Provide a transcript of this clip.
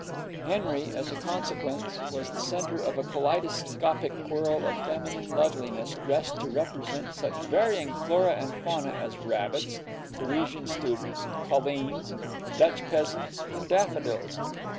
Henry, as a consequence, was the centre of a kaleidoscopic whirl of feminine loveliness, dressed to represent such varying flora and fauna as rabbits, Parisian students, colleens, Dutch peasants, and daffodils.